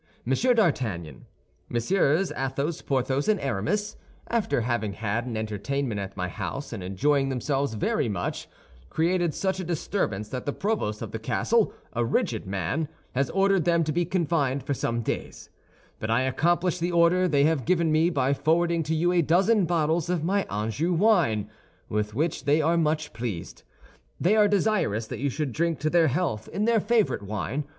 D'ARTAGNAN, MM. Athos, Porthos, and Aramis, after having had an entertainment at my house and enjoying themselves very much, created such a disturbance that the provost of the castle, a rigid man, has ordered them to be confined for some days; but I accomplish the order they have given me by forwarding to you a dozen bottles of my Anjou wine, with which they are much pleased. They are desirous that you should drink to their health in their favorite wine.